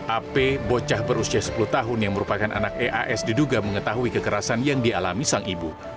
ap bocah berusia sepuluh tahun yang merupakan anak eas diduga mengetahui kekerasan yang dialami sang ibu